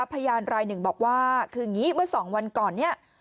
พยานรายหนึ่งบอกว่าคืออย่างนี้เมื่อ๒วันก่อนเนี่ย